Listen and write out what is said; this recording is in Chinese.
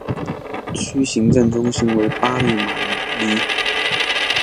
区行政中心为巴利马尼。